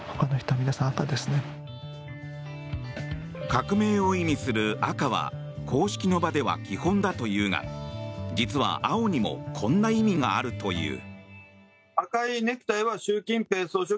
革命を意味する赤は公式の場では基本だというが実は青にもこんな意味があるという。